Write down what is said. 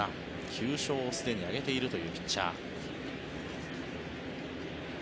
９勝をすでに挙げているというピッチャー。